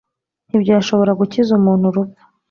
ntibyashobora gukiza umuntu urupfu;